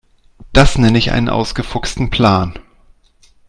Das nenne ich einen ausgefuchsten Plan.